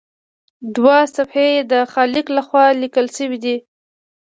دوه صفحې یې د خالق لخوا لیکل شوي وي.